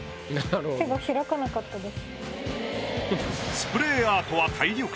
スプレーアートは。